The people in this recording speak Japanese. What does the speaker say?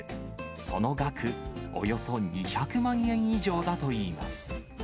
その額、およそ２００万円以上だといいます。